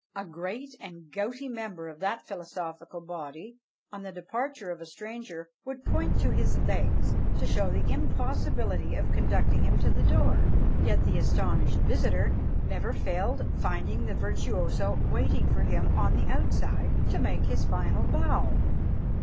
A great and gouty member of that philosophical body, on the departure of a stranger, would point to his legs, to show the impossibility of conducting him to the door; yet the astonished visitor never failed finding the virtuoso waiting for him on the outside, to make his final bow!